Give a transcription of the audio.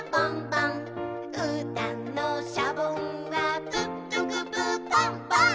「うーたんのシャボンはプップクプーポンポン！」